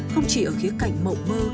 không chỉ ở khía cảnh mộng mơ